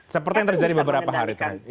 seperti yang terjadi beberapa hari terakhir